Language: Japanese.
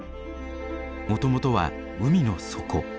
もともとは海の底。